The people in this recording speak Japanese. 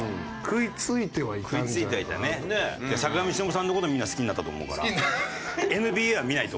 坂上忍さんの事をみんな好きになったと思うから。